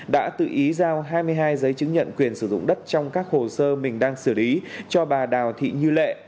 đã tự ý giao hai mươi hai giấy chứng nhận quyền sử dụng đất trong các hồ sơ mình đang xử lý cho bà đào thị như lệ